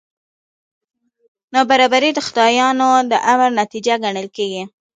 نابرابري د خدایانو د امر نتیجه ګڼل کېږي.